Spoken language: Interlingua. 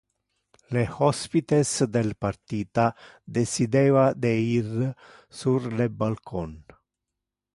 Le hospites del partita decideva de ir sur le balcon.